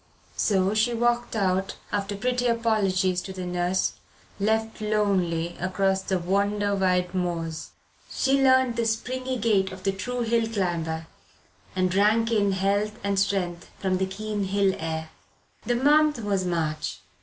So she walked out, after pretty apologies to the nurse, left lonely, across the wonder wide moors. She learned the springy gait of the true hill climber, and drank in health and strength from the keen hill air. The month was March.